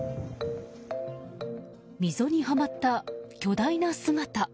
溝にはまった巨大な姿。